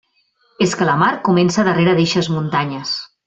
És que la mar comença darrere d'eixes muntanyes.